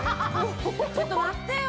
ちょっと待ってよ。